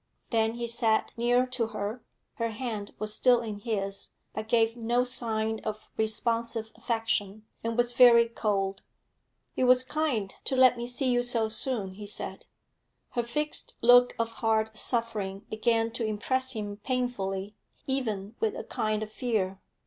Then he sat near to her; her hand was still in his, but gave no sign of responsive affection, and was very cold. 'It was kind to let me see you so soon,' he said. Her fixed look of hard suffering began to impress him painfully, even with a kind of fear.